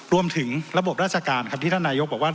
รวมถึงระบบราชการครับที่ท่านนายกบอกว่า